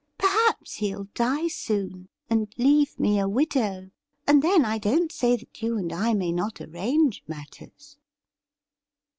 Perhaps he'll die soon and leave me a widow — and then I don't say that you and I may not arrange matters.'